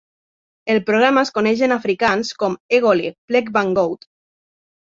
El programa es coneix en afrikaans com "Egoli: Plek van Goud".